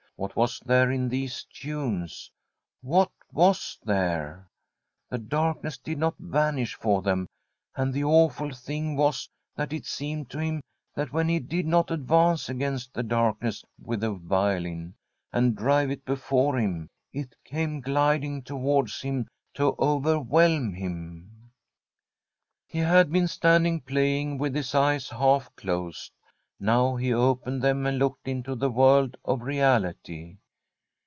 What was there in these tunes — what was there ? The darkness did not vanish for them, and the awful thing was, that it seemed to him that when he did not advance against the darkness with the violin and drive it before him, it came gliding towards him to overwhelm him. He had been standing playing, with his eyes half closed ; now he opened them and looked into the world of reality.